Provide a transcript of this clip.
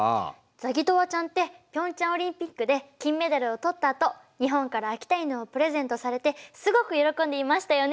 ザギトワちゃんってピョンチャンオリンピックで金メダルを取ったあと日本から秋田犬をプレゼントされてすごく喜んでいましたよね！